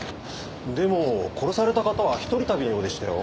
でも殺された方は一人旅のようでしたよ。